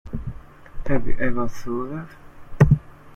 Have you ever thought that?